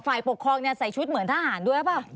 ฝ่ายปกครองใส่ชุดเหมือนทหารด้วยหรือเปล่า